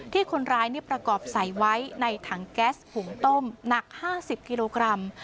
ที่คนร้ายประกอบใส่ไว้ในถังแก๊สหุงต้มหนัก๕๐กิโลกรัม